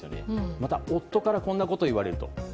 また、夫からこんなことを言われると。